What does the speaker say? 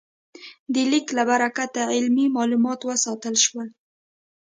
د لیک له برکته علمي مالومات وساتل شول.